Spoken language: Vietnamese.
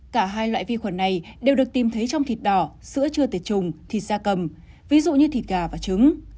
cả hai loại vi khuẩn này đều được tìm thấy trong thịt đỏ sữa chưa tiệt trùng thịt da cầm ví dụ như thịt gà và trứng